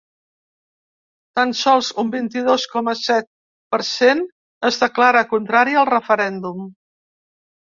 Tan sols un vint-i-dos coma set per cent es declara contrari al referèndum.